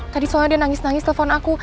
tadi soalnya dia nangis nangis telpon aku